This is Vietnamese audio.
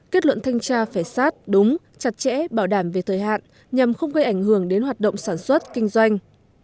kết luận thanh tra phải sát đúng chặt chẽ bảo đảm về thời hạn nhằm không gây ảnh hưởng đến hoạt động sản xuất kinh doanh